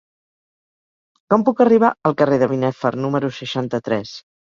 Com puc arribar al carrer de Binèfar número seixanta-tres?